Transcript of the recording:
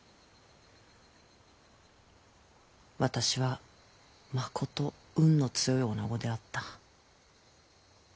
私はまこと運の強い女子であった。